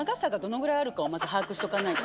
まず把握しておかないと。